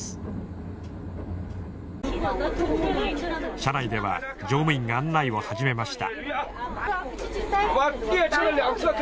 車内では乗務員が案内を始めました。